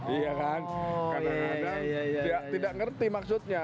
iya kan kadang kadang tidak mengerti maksudnya